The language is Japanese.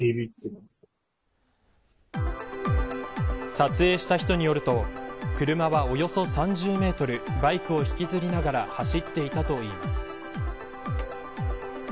撮影した人によると車はおよそ３０メートルバイクを引きずりながら走っていたといいます。